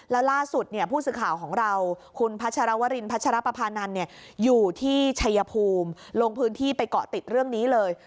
แล้วล่าสุดผู้สื่อข่าวของเราคุณพัชรวรินพัชรปภานันอยู่ที่ชัยภูมิลงพื้นที่ไปเกาะติดเรื่องนี้เลย